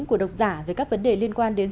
của độc giả về các vấn đề liên quan đến